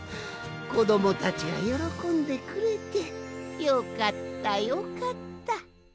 こどもたちがよろこんでくれてよかったよかった。